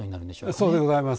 そうでございます。